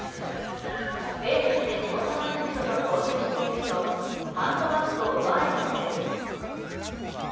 ウェールズで地元の人々と交流しているとハンドバッグを奪われたのです。